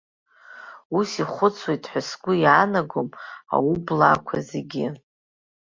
Ус ихәыцуеит ҳәа сгәы иаанагом аублаақәа зегьы.